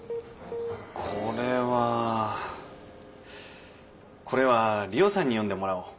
これはこれは理生さんに読んでもらおう。